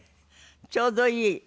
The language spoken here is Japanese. ちょうどいい。